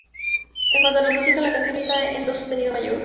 En cuanto a la música, la canción está en Do sostenido mayor.